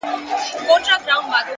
دې جوارۍ کي د بايللو کيسه ختمه نه ده _